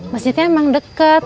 masjidnya emang deket